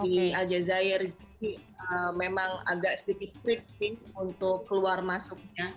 di al jazeera ini memang agak sedikit tripping untuk keluar masuknya